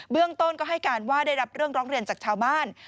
เรื่องต้นก็ให้การว่าได้รับเรื่องร้องเรียนจากชาวบ้าน